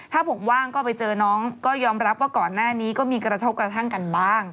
ถ้าผมว่างก็ไปเจอน้องก็ยอมรับว่าก่อนหน้านี้ก็มีกระทบกระทั่งกันบ้าง